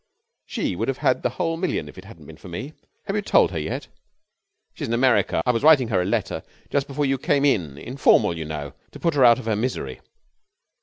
'She would have had the whole million if it hadn't been for me. Have you told her yet?' 'She's in America. I was writing her a letter just before you came in informal, you know, to put her out of her misery.